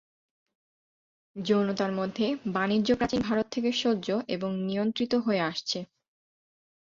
যৌনতার মধ্যে বাণিজ্য প্রাচীন ভারত থেকে সহ্য এবং নিয়ন্ত্রিত হয়ে আসছে।